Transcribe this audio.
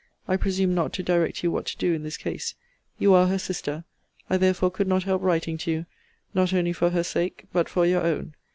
I presume not to direct you what to do in this case. You are her sister. I therefore could not help writing to you, not only for her sake, but for your own.